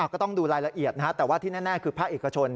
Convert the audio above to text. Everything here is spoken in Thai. ก็ต้องดูรายละเอียดนะฮะแต่ว่าที่แน่คือภาคเอกชน